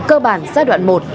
cơ bản giai đoạn một